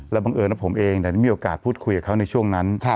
บังเอิญว่าผมเองได้มีโอกาสพูดคุยกับเขาในช่วงนั้น